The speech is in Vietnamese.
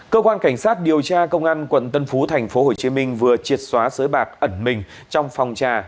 cơ quan cảnh sát điều tra công an quận tân phú thành phố hồ chí minh vừa triệt xóa giới bạc ẩn mình trong phòng trà